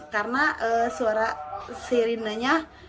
karena suara sirinenya